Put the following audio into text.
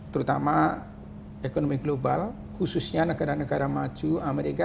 terutama ekonomi global khususnya negara negara maju amerika